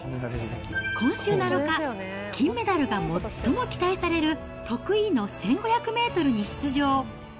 今週７日、金メダルが最も期待される得意の１５００メートルに出場。